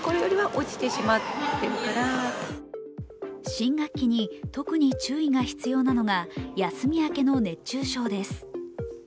新学期に特に注意が必要なのが休み明けの熱中症です。